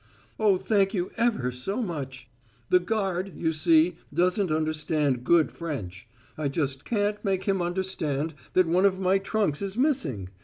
"Oh, thank you ever so much! The guard, you see, doesn't understand good French. I just can't make him understand that one of my trunks is missing.